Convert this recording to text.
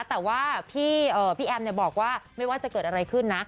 แต่ว่าพี่แอมบอกว่าไม่ว่าจะเกิดอะไรขึ้นนะ